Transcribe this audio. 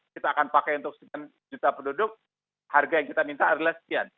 kita akan pakai untuk sekian juta penduduk harga yang kita minta adalah sekian